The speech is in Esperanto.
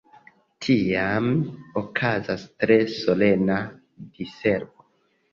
Tiam okazas tre solena Diservo.